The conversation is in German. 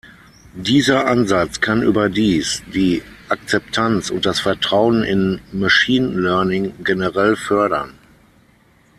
Dieser Ansatz kann überdies die Akzeptanz und das Vertrauen in Machine Learning generell fördern.